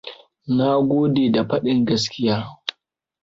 Na gode da faɗin gaskiya.